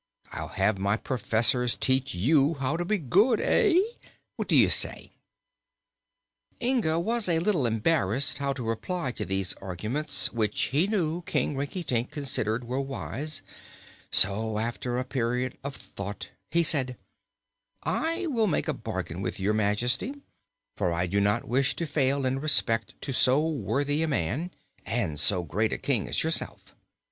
I'll have my professors teach you how to be good. Eh? What do you say?" Inga was a little embarrassed how to reply to these arguments, which he knew King Rinkitink considered were wise; so, after a period of thought, he said: "I will make a bargain with Your Majesty, for I do not wish to fail in respect to so worthy a man and so great a King as yourself.